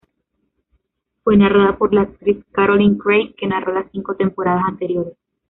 Fue narrada por la actriz Caroline Craig, que narró las cinco temporadas anteriores.